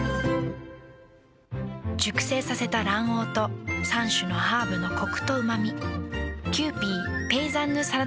熟成させた卵黄と３種のハーブのコクとうま味。